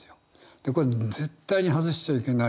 でこれ絶対に外しちゃいけない。